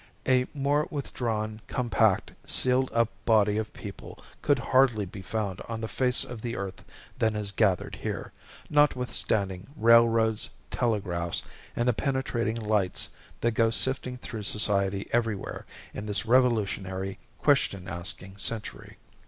A more withdrawn, compact, sealed up body of people could hardly be found on the face of the earth than is gathered here, notwithstanding railroads, telegraphs, and the penetrating lights that go sifting through society everywhere in this revolutionary, question asking century.